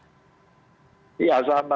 kalau untuk di jawa tengah bagaimana mas ganjar